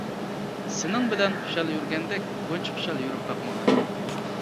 سېنىڭ بىلەن خۇشال يۈرگەندەك، بۇنچە خۇشال يۈرۈپ باقمىغان.